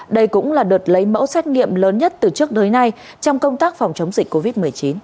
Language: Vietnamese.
đây cũng là đợt lấy mẫu xét nghiệm lớn nhất từ trước tới nay trong công tác phòng chống dịch covid một mươi chín